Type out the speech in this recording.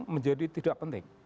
menjadi tidak penting